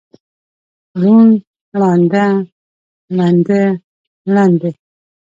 ړوند، ړانده، ړنده، ړندې.